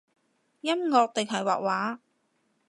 音樂定係畫畫？